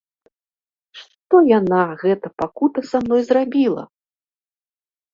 Што яна, гэта пакута, са мной зрабіла?!